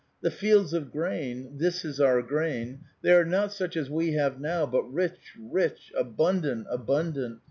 The fields of grain — this is our grain — they are not such as we have now, but rich, rich, abundant, abundant.